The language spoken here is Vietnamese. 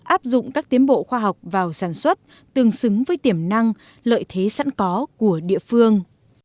áp dụng các tiến bộ khoa học vào sản xuất tương xứng với tiềm năng lợi thế sẵn có của địa phương